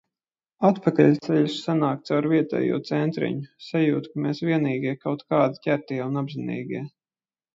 Atpakaļceļš sanāk caur vietējo centriņu. Sajūta, ka mēs vienīgie, kaut kādi ķertie un apzinīgie.